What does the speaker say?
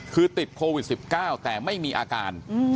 คือติดโควิด๑๙แต่ไม่มีอาการ